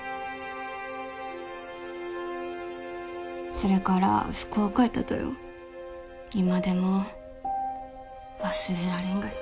それから福岡行ったとよ今でも忘れられんがよ